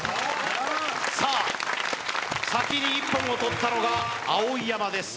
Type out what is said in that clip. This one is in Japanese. さあ先に１本を取ったのが碧山です